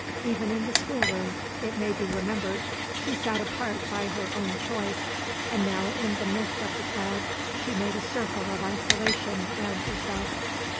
Even in the schoolroom, it may be remembered, she sat apart by her own choice, and now in the midst of the crowd she made a circle of isolation round herself.